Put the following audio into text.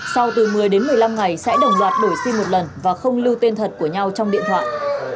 sau từ một mươi đến một mươi năm ngày sẽ đồng loạt đổi si một lần và không lưu tên thật của nhau trong điện thoại